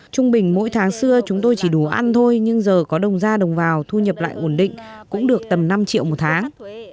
trung bình mỗi tháng xưa chúng tôi chỉ đủ ăn thôi nhưng giờ có đồng ra đồng vào thu nhập lại ổn định cũng được tầm năm triệu một tháng